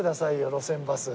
『路線バス』。